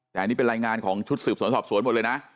แต่อันนี้เป็นรายงานของชุดสืบสวนสอบสวนหมดเลยนะ